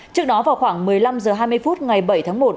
trước đó vào khoảng một mươi năm h hai mươi phút ngày bảy tháng một